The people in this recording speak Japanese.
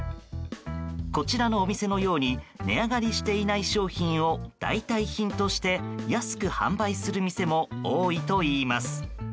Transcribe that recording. こちらのお店のように値上がりしていない商品を代替品として安く販売する店も多いといいます。